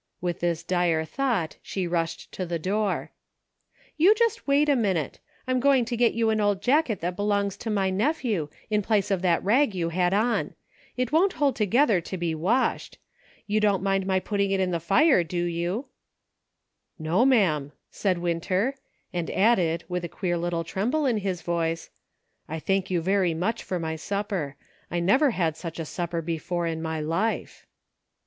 " With this dire thought, she rushed to the door : "You just wait a minute ; I'm going to get you an old jacket that belongs to my nephew, in place of that rag you had on. It won't hold together to be washed ; you don't mind my putting it in the fire, do you." " No, ma'am," said Winter, and added, with a queer little tremble in his voice, " I thank you very much for my supper ; I never had such a sup per before in my life."